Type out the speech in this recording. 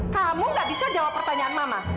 kamu gak bisa jawab pertanyaan mama